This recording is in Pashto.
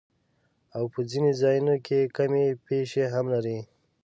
او پۀ ځنې ځايونو کښې کمی بېشی هم لري